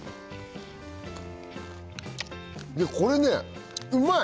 これねうまい！